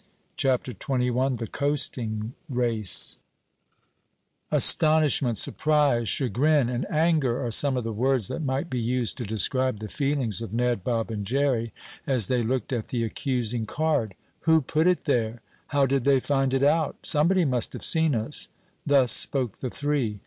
CHAPTER XXI THE COASTING RACE Astonishment, surprise, chagrin and anger are some of the words that might be used to describe the feelings of Ned, Bob and Jerry as they looked at the accusing card. "Who put it there?" "How did they find it out?" "Somebody must have seen us!" Thus spoke the three.